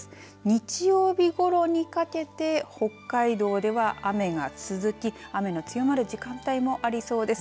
日曜日ごろにかけて北海道では雨が続き雨の強まる時間帯もありそうです。